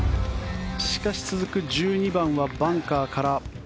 しかし、続く１２番はバンカーから。